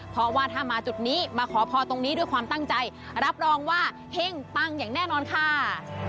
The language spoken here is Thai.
เพราะว่าถ้ามาจุดนี้มาขอพรตรงนี้ด้วยความตั้งใจรับรองว่าเฮ่งปังอย่างแน่นอนค่ะ